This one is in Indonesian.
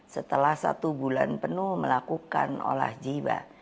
setelah satu bulan penuh melakukan olah jiwa